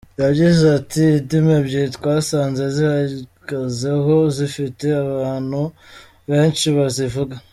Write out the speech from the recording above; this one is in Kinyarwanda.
Yagize ati “Indimi ebyiri twasanze zihagazeho zifite n’abantu benshi bazivuga.